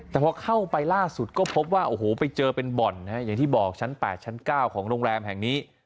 แต่พอเข้าไปล่าสุดก็พบว่าโอ้โหไปเจอเป็นบ่อนอย่างที่บอกชั้น๘ชั้น๙ของโรงแรมแห่งนี้